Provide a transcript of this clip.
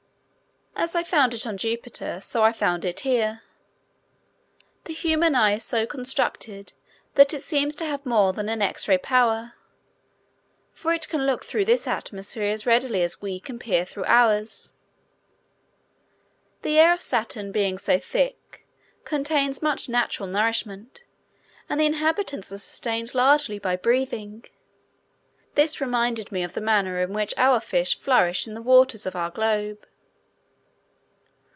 As I found it on Jupiter, so I found it here. The human eye is so constructed that it seems to have more than an X ray power, for it can look through this atmosphere as readily as we can peer through ours. The air of Saturn, being so thick, contains much natural nourishment, and the inhabitants are sustained largely by breathing. This reminded me of the manner in which our fish flourish in the waters of our globe.